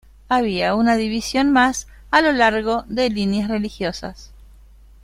Había una división más a lo largo de líneas religiosas.